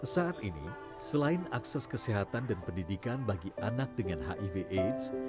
saat ini selain akses kesehatan dan pendidikan bagi anak dengan hiv aids